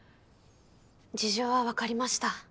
事情は分かりました。